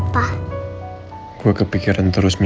bagus deh kalau udah pergi